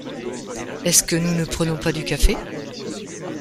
est-ce que nous ne prenons pas du café ?